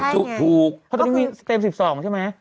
สเตรม๑๒ใช่ไหม